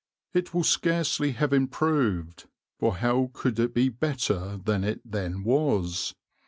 "It will scarcely have improved, for how would it be better than it then was?